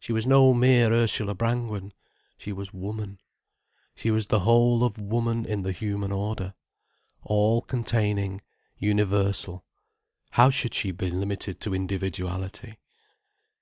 She was no mere Ursula Brangwen. She was Woman, she was the whole of Woman in the human order. All containing, universal, how should she be limited to individuality?